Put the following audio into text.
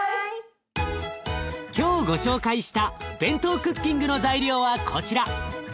今日ご紹介したＢＥＮＴＯクッキングの材料はこちら。